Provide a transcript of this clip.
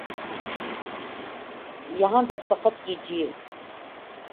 یہاں دستخط کیجئے